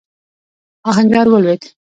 آهنګر ولوېد.